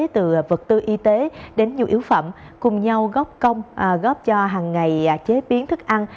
từ vật tư y tế đến nhiều yếu phẩm cùng nhau góp cho hàng ngày chế biến thức ăn